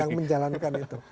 yang menjalankan itu